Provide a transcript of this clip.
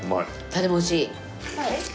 タレも美味しい。